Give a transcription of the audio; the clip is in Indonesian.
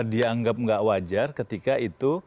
dianggap nggak wajar ketika itu